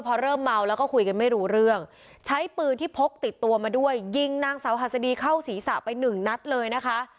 พอเริ่มเมาแล้วก็คุยกันไม่รู้เรื่องใช้ปืนที่พกติดตัวมาด้วยยิงนางสาวหัสดีเข้าศีรษะไปหนึ่งนัดเลยนะคะ